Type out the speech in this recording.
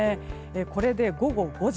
これで午後５時。